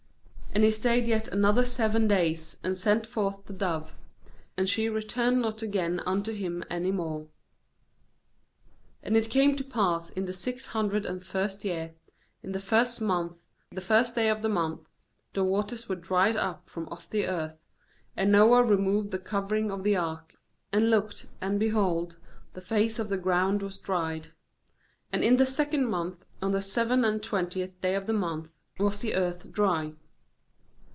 12And he stayed yet other seven days; and sent forth the dove; and she returned not again unto him any more. ^And it came to pass in the six hundred and first year, in the first month, the first day of the month, the waters were dried up from off the earth; and Noah removed the covering of the ark, and looked, and, behold, the face of the ground was dried. 14And in the second month, on the seven and twentieth day of the month, was the earth dry.